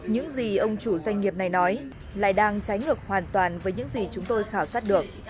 những gì ông chủ doanh nghiệp này nói lại đang trái ngược hoàn toàn với những gì chúng tôi khảo sát được